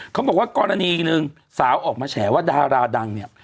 เขาบอกว่ากรณีหนึ่งสาวออกมาแฉว่าดาราดังเนี่ย